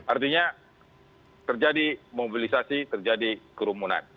artinya terjadi mobilisasi terjadi kerumunan